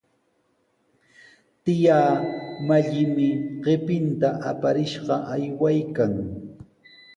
Tiyaa Mallimi qipinta aparishqa aywaykan.